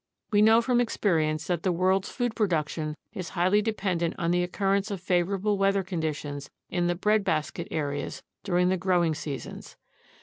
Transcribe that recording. We know from experience that the world's food production is highly de pendent on the occurrence of favorable weather conditions in the "breadbasket" areas during the growing seasons.